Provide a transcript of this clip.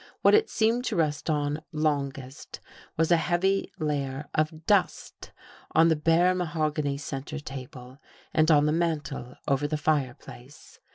What it seemed to rest on longest, was a heavy layer of dust on the bare mahogany center table and on the mantel over the fireplace.